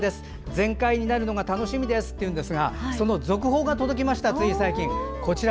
全開になるのが楽しみですというんですがその続報が届きました。